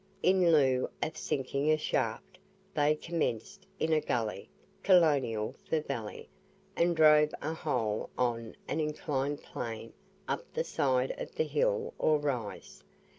In lieu of sinking a shaft, they commenced in a gully (colonial for valley), and drove a hole on an inclined plane up the side of the hill or rise.